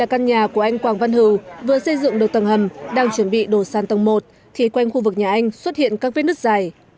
từ khi xây dựng được tầng hầm đang chuẩn bị đổ sàn tầng một thì quanh khu vực nhà anh xuất hiện các vết nứt dài